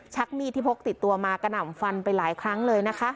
มีดที่พกติดตัวมากระหน่ำฟันไปหลายครั้งเลยนะคะ